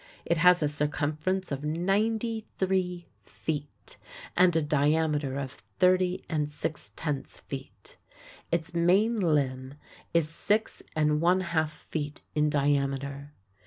It has a circumference of ninety three feet and a diameter of thirty and six tenths feet. Its main limb is six and one half feet in diameter.